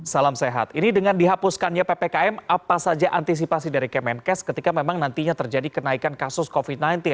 salam sehat ini dengan dihapuskannya ppkm apa saja antisipasi dari kemenkes ketika memang nantinya terjadi kenaikan kasus covid sembilan belas